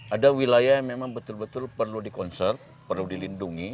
ada wilayah yang memang betul betul perlu di concert perlu dilindungi